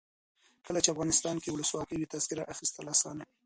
کله چې افغانستان کې ولسواکي وي تذکره اخیستل اسانه وي.